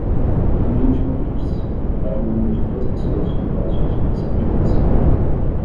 Envio de convites: para um mínimo de três pessoas de negócios, sempre que possível.